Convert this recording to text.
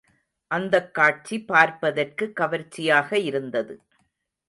அந்தக் காட்சி பார்ப்பதற்கு கவர்ச்சியாக இருந்தது.